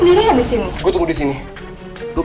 dilihat lo dia enggg